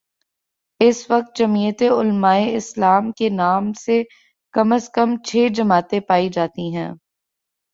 اس وقت جمعیت علمائے اسلام کے نام سے کم از کم چھ جماعتیں پائی جا تی ہیں۔